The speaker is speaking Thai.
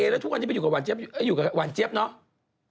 แล้วทุกคนจะไปอยู่กับหวานเจ๊บเนาะ